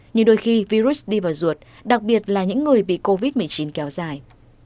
nhưng đôi khi virus đi vào ruột đặc biệt là những người bị covid một mươi chín kéo dài